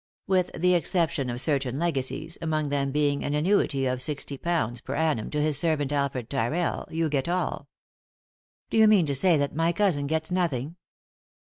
With the exception of certain legacies, among them being an annuity of £60 per annum to his servant, Alfred Tyrrell, you get all." " Do you mean to say that my cousin gets nothing